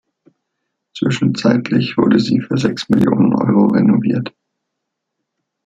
Zwischenzeitlich wurde sie für sechs Millionen Euro renoviert.